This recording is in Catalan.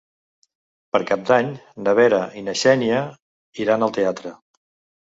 Per Cap d'Any na Vera i na Xènia iran al teatre.